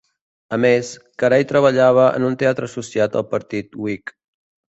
A més, Carey treballava en un teatre associat al partit Whig.